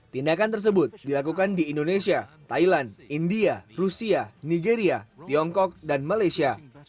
tindakan tersebut dilakukan di indonesia thailand india rusia nigeria tiongkok dan malaysia